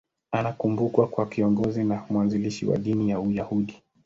Anakumbukwa kama kiongozi na mwanzilishi wa dini ya Uyahudi.